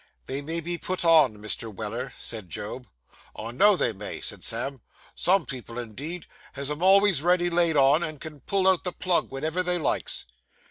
'They may be put on, Mr. Weller,' said Job. 'I know they may,' said Sam; 'some people, indeed, has 'em always ready laid on, and can pull out the plug wenever they likes.